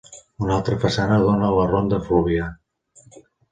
Una altra façana dóna a la ronda Fluvià.